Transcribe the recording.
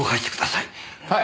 はい！